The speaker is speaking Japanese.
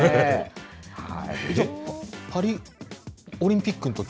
パリオリンピックのとき？